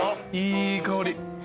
いい香り。